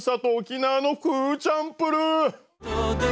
沖縄のフーチャンプルー。